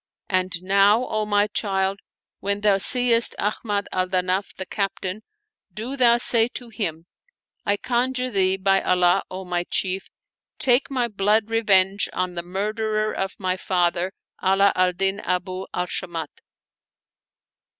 And now, my child, when thou seest Ahmad al Danaf the captain, do thou say to him: I conjure thee, by Allah, O my chief, take my blood revenge on the murderer of my father Ala al Din Abu al Shamat!